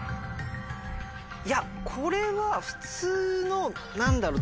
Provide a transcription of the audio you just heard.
いやこれは普通の何だろう